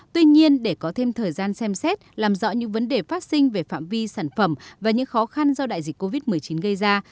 tuy nhiên để có thêm thời gian xem xét làm rõ những vấn đề phát sinh về phạm vi sản phẩm và những khó khăn do đại dịch covid một mươi chín gây ra